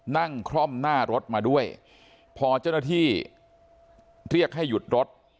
คร่อมหน้ารถมาด้วยพอเจ้าหน้าที่เรียกให้หยุดรถ